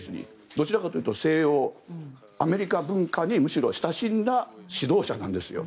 どちらかというと西欧アメリカ文化にむしろ親しんだ指導者なんですよ。